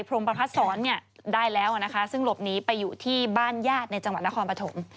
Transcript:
มประพัดศรเนี่ยได้แล้วนะคะซึ่งหลบหนีไปอยู่ที่บ้านญาติในจังหวัดนครปฐม